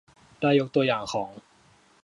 ได้ยกตัวอย่างของ